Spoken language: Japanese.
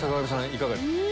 いかがですか？